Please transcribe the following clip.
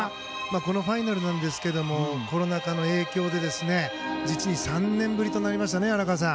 このファイナルですがコロナ禍の影響で実に３年ぶりとなりましたね荒川さん。